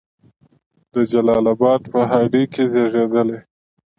د جلال آباد په هډې کې زیږیدلی دی.